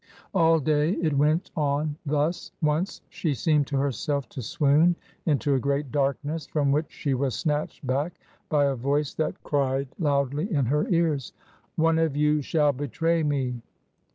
All day it went on thus ; once she seemed to herself to swoon into a great darkness, from which she was snatched back by a voice that cried loudly in her ears —" One of you shall betray me